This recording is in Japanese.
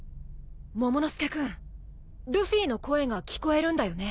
モモの助君ルフィの声が聞こえるんだよね？